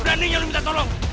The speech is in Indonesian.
udah nih ya lo minta tolong